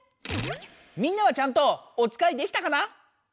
みんなはちゃんとおつかいできたかな？